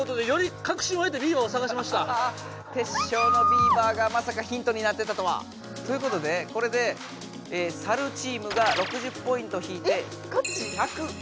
テッショウの「ビーバー」がまさかヒントになってたとは。ということでこれでサルチームが６０ポイント引いて１４０ポイント。